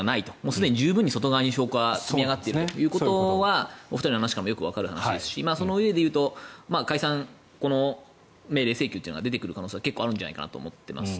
すでに十分に外側に証拠は積み上がっているというのはお二人の話からもよくわかる話ですしそのうえでいうと解散命令請求というのは出てくる可能性は結構あるんじゃないかなと思っています。